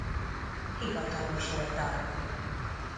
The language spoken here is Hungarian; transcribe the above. Hivatalos oldal